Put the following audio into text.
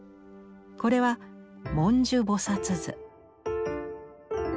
これは「文殊菩図」。